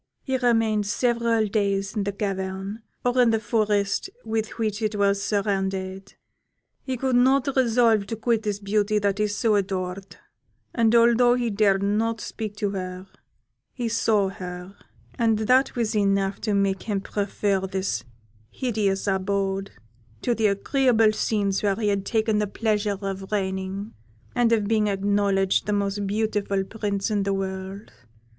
He remained several days in the cavern, or in the forest with which it was surrounded; he could not resolve to quit this beauty that he so adored, and although he dared not speak to her, he saw her, and that was enough to make him prefer this hideous abode to the agreeable scenes where he had the pleasure of reigning, and of being acknowledged the most beautiful Prince in the world.